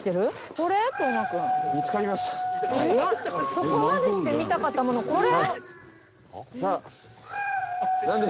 そこまでして見たかったものこれ！？